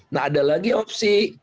nggak ada lagi opsi